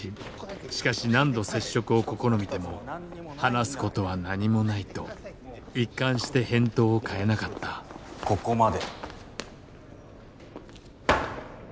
しかし何度接触を試みても話すことは何もないと一貫して返答を変えなかったここまで。